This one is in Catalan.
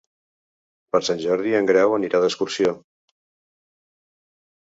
Per Sant Jordi en Grau anirà d'excursió.